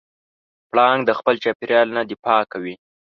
پړانګ د خپل چاپېریال نه دفاع کوي.